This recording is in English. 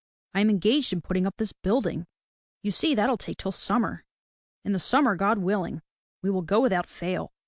I am engaged in putting up this building. You see that'll take till summer. In the summer, God willing, we will go without fail."